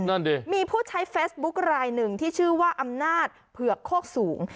นั่นดิมีผู้ใช้เฟซบุ๊คลายหนึ่งที่ชื่อว่าอำนาจเผือกโคกสูง